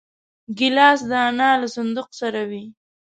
ګیلاس د انا له صندوق سره وي.